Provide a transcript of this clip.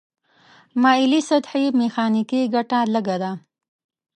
مایلې سطحې میخانیکي ګټه لږه ده.